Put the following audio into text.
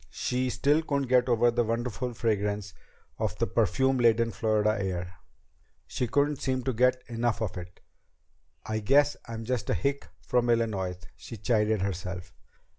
She still couldn't get over the wonderful fragrance of the perfume laden Florida air. She couldn't seem to get enough of it. "I guess I'm just a hick from Illinois," she chided herself.